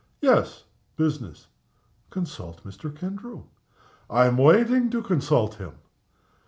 "Yes business." "Consult Mr. Kendrew." "I am waiting to consult him."